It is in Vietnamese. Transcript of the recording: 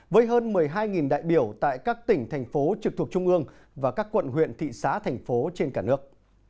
với hơn một mươi hai đại biểu tại các tỉnh thành phố trực thuộc trung ương và các quận huyện thị xã thành phố trên cả nước